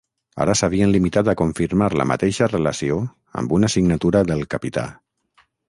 Ara s'havien limitat a confirmar la mateixa relació amb una signatura del capità.